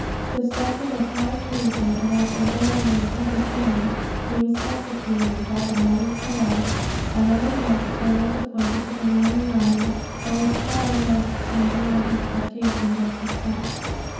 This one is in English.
Suspected of high treason, and of embezzling public money, he was executed without a moments delay. Another officer was appointed to command the army, but with far less sanguine expectations of success.